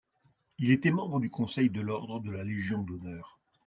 Il était membre du Conseil de l'Ordre de la Légion d'Honneur.